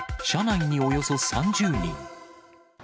車内におよそ３０人。